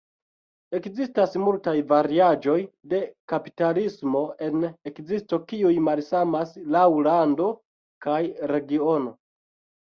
Ekzistas multaj variaĵoj de kapitalismo en ekzisto kiuj malsamas laŭ lando kaj regiono.